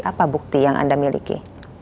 apa bukti yang anda miliki